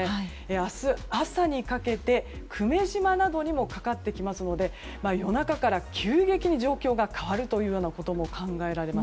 明日朝にかけて久米島などにもかかってきますので夜中から急激に状況が変わるということも考えられます。